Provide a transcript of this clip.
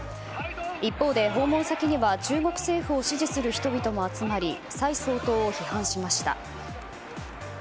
一方で訪問先には中国政府を支持する人々も集まり蔡総統を批判しました。